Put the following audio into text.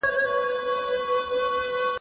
ورزش د هډوکو د پیاوړتیا لپاره ډېر اړین دی.